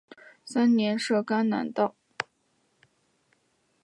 三年设赣南道。